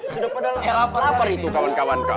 sudah padahal lapar itu kawan kawan kau